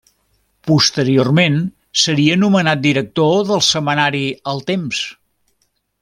Posteriorment seria nomenat director del setmanari El Temps.